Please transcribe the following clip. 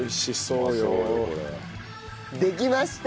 できました！